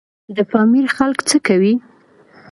د پامیر خلک څه کوي؟